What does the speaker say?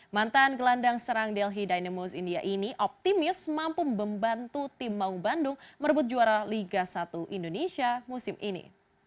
mantan gelandang serang delhi dynamose india ini optimis mampu membantu tim maung bandung merebut juara liga satu indonesia musim ini